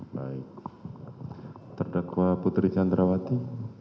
baik terdakwa putri chandrawati